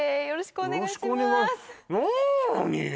よろしくお願いなに！